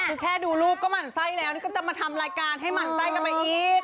ก็แค่ดูลูกก็มั่นไส้แล้วแล้วจะมาทำรายการให้มั่นไส้กันมาอีก